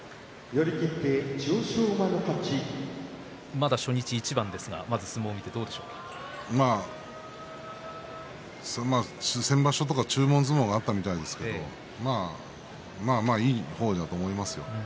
まだ初日一番ですが先場所とか注文相撲があったみたいですがまあまあ、いい方だと思いますよ。